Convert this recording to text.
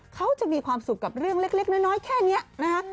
เขาจะมีความสุขกับเรื่องเล็กน้อยแค่นี้นะคะ